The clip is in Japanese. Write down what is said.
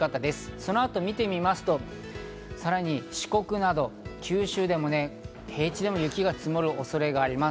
そのあとを見てみますと、さらに四国など、九州でも平地で雪が積もる恐れがあります。